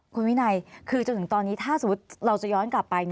คุณวินัยคือจนถึงตอนนี้ถ้าสมมุติเราจะย้อนกลับไป